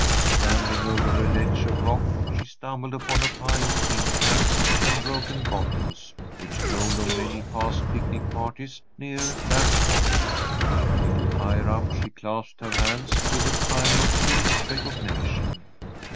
Scrambling over a ledge of rock she stumbled upon a pile of tin cans and broken bottles, which told of many past picnic parties near that spot. A little higher up she clasped her hands with a cry of pleased recognition.